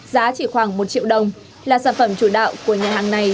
giá chỉ khoảng một triệu đồng là sản phẩm chủ đạo của nhà hàng này